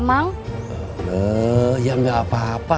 mang yang nggak apa apa tuh sok tete pulang saja ya udah